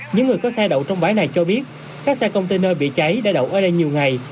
những người có xe đậu trong bãi này cho biết các xe container bị cháy đã đậu ở đây nhiều ngày